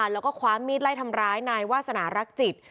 แล้วก็คว้ามีดไล่ทำร้ายนายวาสนารักจิต